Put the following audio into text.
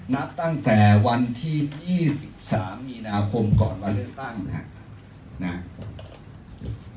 นับตั้งแต่วันที่๒๓มีนาคมก่อนวันเลือกตั้งนะครับ